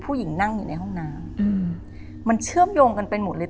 ผู้หญิงนั่งอยู่ในห้องน้ำอืมมันเชื่อมโยงกันไปหมดเลย